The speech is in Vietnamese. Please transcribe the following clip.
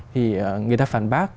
thì người ta phản bác